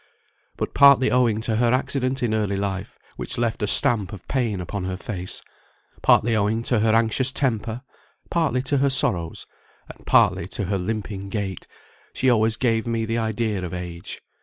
But partly owing to her accident in early life, which left a stamp of pain upon her face, partly owing to her anxious temper, partly to her sorrows, and partly to her limping gait, she always gave me the idea of age.